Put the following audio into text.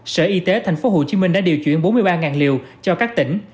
sở y tế thành phố hồ chí minh đã điều chuyển bốn mươi ba liều cho các tỉnh